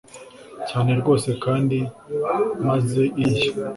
cyane rwose kandi maze iriya